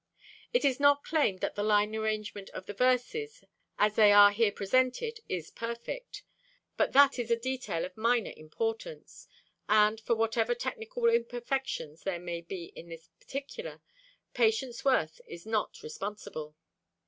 It is not claimed that the line arrangement of the verses as they are here presented is perfect; but that is a detail of minor importance, and for whatever technical imperfections there may be in this particular, Patience Worth is not responsible.